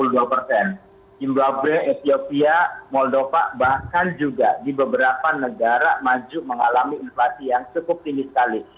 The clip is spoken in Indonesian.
jumlah b ethiopia moldova bahkan juga di beberapa negara maju mengalami inflasi yang cukup tinggi sekali